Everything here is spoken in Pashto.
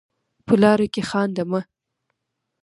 په لاره کې خانده مه.